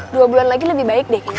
dua bulan lagi lebih baik deh